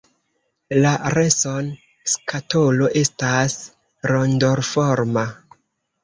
La reson-skatolo estas rondoforma.